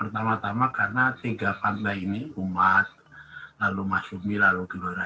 pertama tama karena tiga partai ini umat lalu masyumi lalu gelora